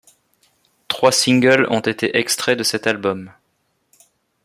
Trois singles ont été extraits de cet album.